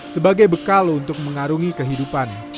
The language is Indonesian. sebagai bekal untuk mengarungi kehidupan